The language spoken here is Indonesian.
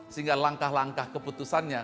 sehingga langkah langkah keputusannya